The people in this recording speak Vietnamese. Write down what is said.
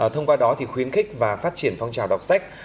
thông qua đó thì khuyến khích và phát triển phong trào đọc sách